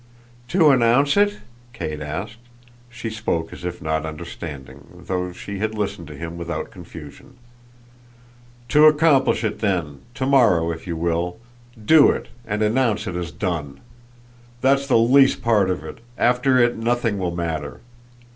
"To 'announce' it?" Kate asked. She spoke as if not understanding, though she had listened to him without confusion. "To accomplish it then to morrow if you will; DO it and announce it as done. That's the least part of it after it nothing will matter.